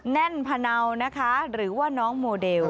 แน่นพะเนานะคะหรือว่าน้องโมเดล